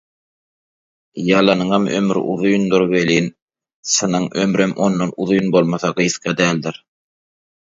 Ýalanyňam ömri uzyndyr welin, çynyň ömrem ondan uzyn bolmasa gysga däldir.